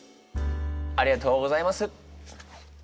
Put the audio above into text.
ありがとうございます。